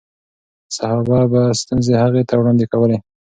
صحابه به ستونزې هغې ته وړاندې کولې.